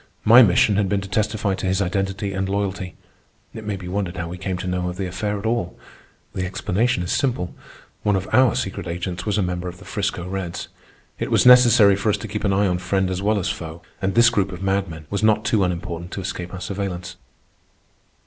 My mission had been to testify to his identity and loyalty. It may be wondered how we came to know of the affair at all. The explanation is simple. One of our secret agents was a member of the 'Frisco Reds. It was necessary for us to keep an eye on friend as well as foe, and this group of madmen was not too unimportant to escape our surveillance.